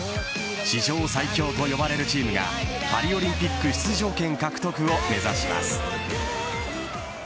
史上最強と呼ばれるチームがパリオリンピック出場権獲得を目指します。